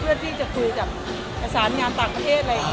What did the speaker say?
เพื่อที่จะคุยกับสรรค์ด้านต่างประเทศ